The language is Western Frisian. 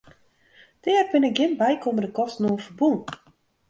Der binne gjin bykommende kosten oan ferbûn.